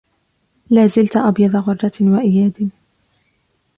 لا زلت أبيض غرة وأياد